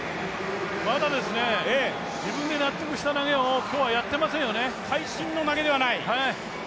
まだですね、自分で納得した投げを今日はやっていませんよね、会心の投げではない。